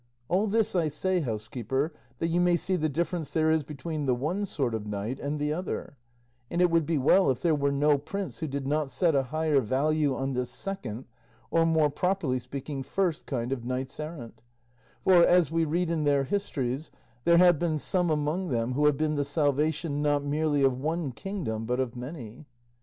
All this I say, housekeeper, that you may see the difference there is between the one sort of knight and the other; and it would be well if there were no prince who did not set a higher value on this second, or more properly speaking first, kind of knights errant; for, as we read in their histories, there have been some among them who have been the salvation, not merely of one kingdom, but of many."